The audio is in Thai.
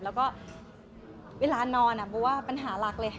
แล้วก็เวลานอนโบว่าปัญหาหลักเลย